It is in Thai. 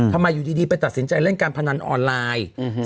ทำไมอยู่ดีไปตัดสินใจเล่นการพนันออนไลน์